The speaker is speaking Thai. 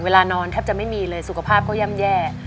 เวลานอนแทบจะไม่มีเลยสุขภาพก็ย่ำแย่